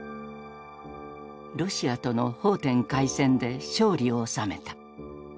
ロシアとの奉天会戦で勝利を収めた。